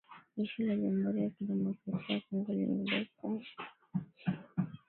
Jeshi la jamhuri ya kidemokrasia ya Kongo limedai kwamba Rwanda inawaunga mkono waasi hao